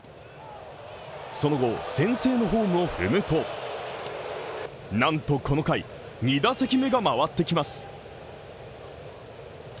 その後、先制のホームを踏むとなんとこの回２打席目が回ってきます。